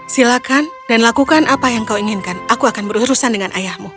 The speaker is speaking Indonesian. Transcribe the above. silakan dan lakukan apa yang kau inginkan aku akan berurusan dengan ayahmu